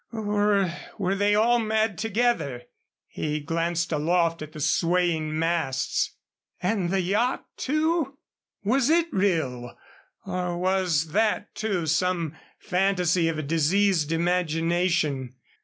Or were they all mad together? He glanced aloft at the swaying masts. And the yacht, too? Was it real or was that, too, some fantasy of a diseased imagination?